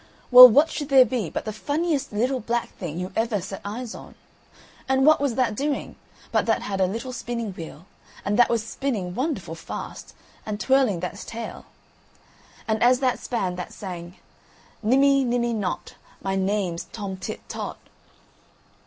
Well, what should there be but the funniest little black thing you ever set eyes on. And what was that doing, but that had a little spinning wheel, and that was spinning wonderful fast, and twirling that's tail. And as that span that sang: "Nimmy nimmy not My name's Tom Tit Tot."